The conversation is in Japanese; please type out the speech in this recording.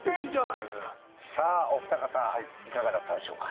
さぁお二方いかがだったでしょうか。